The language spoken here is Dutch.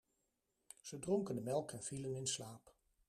Ze dronken de melk en vielen in slaap.